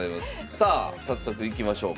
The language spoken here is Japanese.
さあ早速いきましょうか。